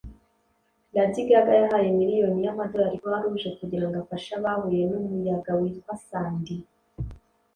Lady Gaga yahaye miliyoni yamadolari Croix Rouge kugira ngo afashe abahuye numuyaga witwa Sandy